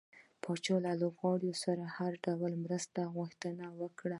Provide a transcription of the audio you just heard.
پاچا له لوبغاړو سره د هر ډول مرستې غوښتنه وکړه .